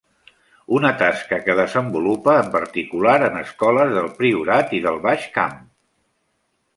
Una tasca que desenvolupa en particular en escoles del Priorat i del Baix Camp.